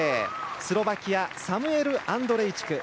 スロバキアサムエル・アンドレイチク。